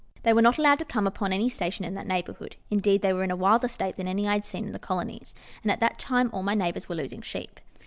They were not allowed to come upon any station in that neigh bourhood ; indeed, they were in a wilder state than any I had seen in the colonies, and at that time all my neighbours were losing sheep.